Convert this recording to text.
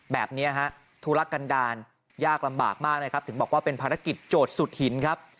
แบบนี้ฮะธุระกันดาลยากลำบากมากนะครับถึงบอกว่าเป็นภารกิจโจทย์สุดหินครับ